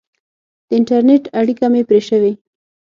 د انټرنېټ اړیکه مې پرې شوې.